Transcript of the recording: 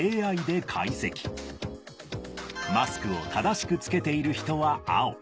マスクを正しく着けている人は青。